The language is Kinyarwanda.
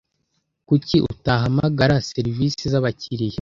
Kuki utahamagara serivisi zabakiriya?